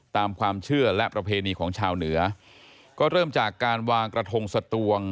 ตามความเชื่อและประเพณีของชาวเหนือก็เริ่มจากการวางกระทงสตวง